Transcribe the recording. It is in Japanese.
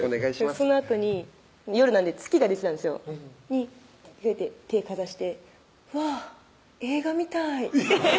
そのあとに夜なんで月が出てたんですよに手かざして「うわっ映画みたい」